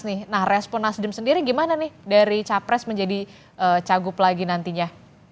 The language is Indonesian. nah respon nasdem sendiri gimana nih dari capres menjadi cagup lagi nantinya